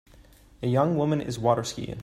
A young woman is waterskiing